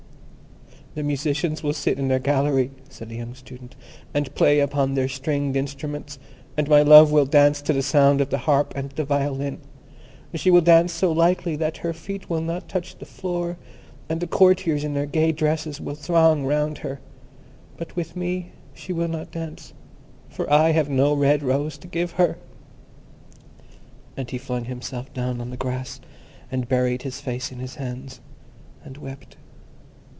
"The musicians will sit in their gallery," said the young Student, "and play upon their stringed instruments, and my love will dance to the sound of the harp and the violin. She will dance so lightly that her feet will not touch the floor, and the courtiers in their gay dresses will throng round her. But with me she will not dance, for I have no red rose to give her"; and he flung himself down on the grass, and buried his face in his hands, and wept.